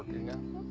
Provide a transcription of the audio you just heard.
うん。